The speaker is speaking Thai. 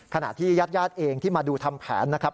ขณะที่ญาติญาติเองที่มาดูทำแผนนะครับ